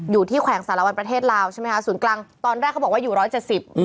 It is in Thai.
แขวงสารวัลประเทศลาวใช่ไหมคะศูนย์กลางตอนแรกเขาบอกว่าอยู่ร้อยเจ็ดสิบอืม